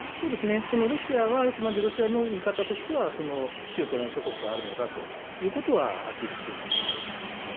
そのロシアはあくまでロシアの見方としては旧ソ連諸国があるのだということはアピールしているんだと思います。